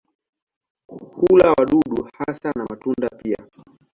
Hula wadudu hasa na matunda pia.